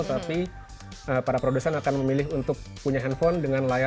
tapi para produsen akan memilih untuk punya handphone dengan layak